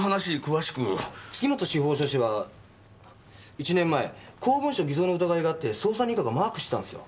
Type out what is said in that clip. １年前公文書偽造の疑いがあって捜査二課がマークしてたんすよ。